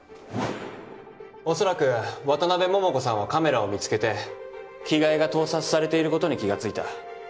おそらく渡辺桃子さんはカメラを見つけて着替えが盗撮されていることに気が付いた。